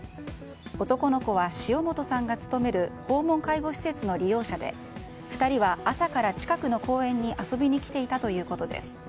男の子は塩本さんが勤める訪問介護施設の利用者で２人は朝から近くの公園に遊びに来ていたということです。